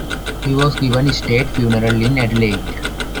He was given a state funeral in Adelaide.